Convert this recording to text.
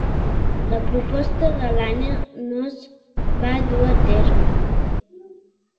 La proposta de Lane no es va dur a terme.